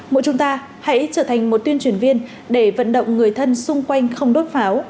mỗi chúng ta hãy trở thành một tuyên truyền viên để vận động người thân xung quanh không đốt pháo